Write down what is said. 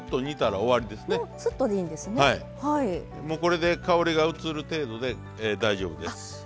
もうこれで香りが移る程度で大丈夫です。